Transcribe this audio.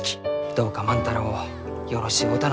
どうか万太郎をよろしゅうお頼申します。